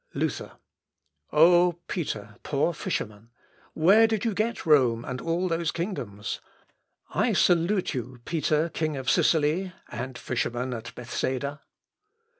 Luther. "O, Peter, poor fisherman! where did you get Rome and all those kingdoms? I salute you, Peter, king of Sicily! ... and fisherman at Bethsaida!"